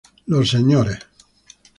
Los "Mr.